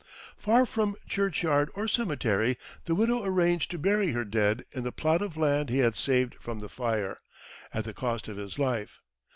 Far from churchyard or cemetery, the widow arranged to bury her dead in the plot of land he had saved from the fire, at the cost of his life.